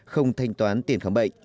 không thanh toán tiền khám bệnh